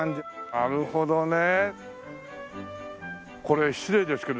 ああなるほどね。